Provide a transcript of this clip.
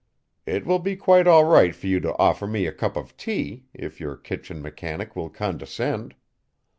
It will be quite all right for you to offer me a cup of tea, if your kitchen mechanic will condescend.